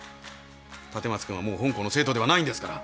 立松君はもう本校の生徒ではないんですから。